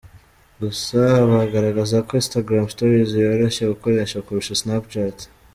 Gusa baragaragaza ko Instagram Stories yoroshye gukoresha kurusha Snapchat.